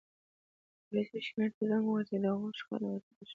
پولیسو شمېرې ته زنګ ووهه چې د هغوی شخړه غټیږي